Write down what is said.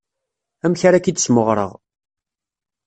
Amek ara k-id-smeɣreɣ.